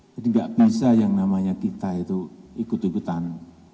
jadi enggak bisa yang namanya kita itu ikut ikutan